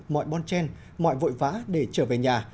mọi bon chen mọi vội vã để trở về nhà